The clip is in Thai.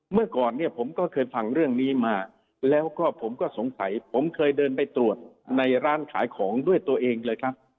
เมื่อก่อนเนี่ยผมก็เคยฟังเรื่องนี้มาแล้วก็ผมก็สงสัยผมเคยเดินไปตรวจในร้านขายของด้วยตัวเองเลยครับ